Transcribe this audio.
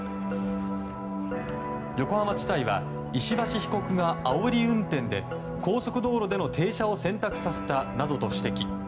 横浜地裁は石橋被告があおり運転で高速道路での停車を選択させたなどと指摘。